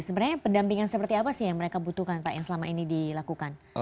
sebenarnya pendampingan seperti apa sih yang mereka butuhkan pak yang selama ini dilakukan